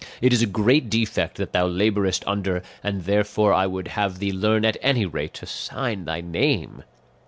It is a great defect that thou labourest under, and therefore I would have thee learn at any rate to sign thy name."